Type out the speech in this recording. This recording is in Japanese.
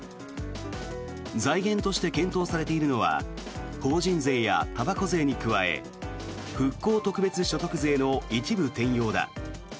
財源として検討されているのは法人税やたばこ税に加え復興特別所得税の一部転用だ。